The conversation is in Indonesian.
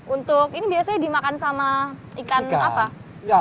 untuk ini biasanya dimakan sama ikan apa